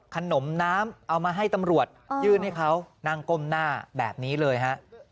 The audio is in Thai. ขนมน้ำเอามาให้ตำรวจยื่นให้เขานั่งก้มหน้าแบบนี้เลยฮะ